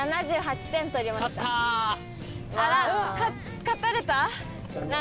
あら勝たれた？